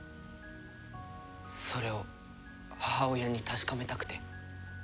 それを母親に確かめたくて。